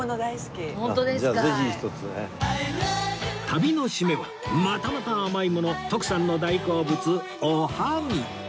旅の締めはまたまた甘い物徳さんの大好物おはぎ